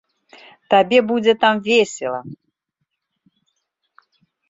Табе будзе там весела.